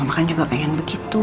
mama kan juga pengen begitu